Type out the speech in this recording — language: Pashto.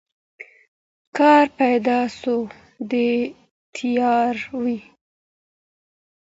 کار پیدا سو دی تیار وو